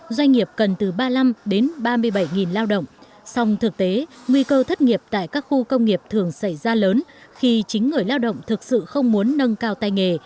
sau thực tế nguy cơ thất nghiệp tại các khu công nghiệp thường xảy ra lớn khi chính người lao động thực sự không muốn nâng cao tay nghề